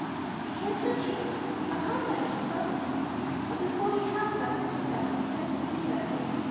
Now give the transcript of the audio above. He kissed her cheeks. "I'll come back," he promised. But before he had gone many steps he turned to see her again.